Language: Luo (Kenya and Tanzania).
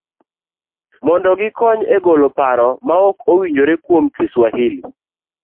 mondo gikony e golo paro maok owinjore kuom Kiswahili.